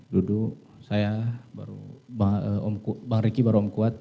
duduk saya baru bang riki baru om kuat